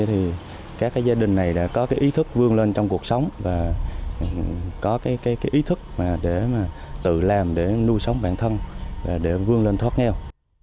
thì các gia đình này đã có cái ý thức vươn lên trong cuộc sống và có cái ý thức để mà tự làm để nuôi sống bản thân để vươn lên thoát nghèo